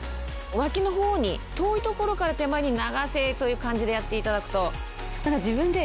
脇のほうに遠いところから手前に流せという感じでやっていただくと。